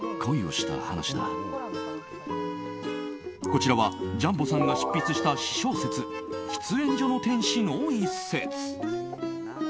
こちらは、ジャンボさんが執筆した私小説「喫煙所の天使」の一節。